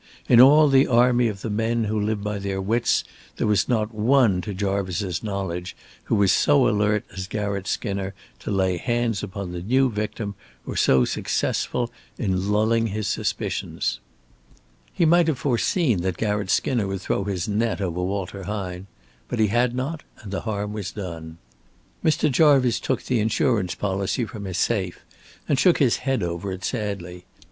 In all the army of the men who live by their wits, there was not one to Jarvice's knowledge who was so alert as Garratt Skinner to lay hands upon the new victim or so successful in lulling his suspicions. He might have foreseen that Garratt Skinner would throw his net over Walter Hine. But he had not, and the harm was done. Mr. Jarvice took the insurance policy from his safe and shook his head over it sadly.